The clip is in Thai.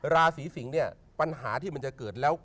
ราศีสิงศ์เนี่ยปัญหาที่มันจะเกิดแล้ว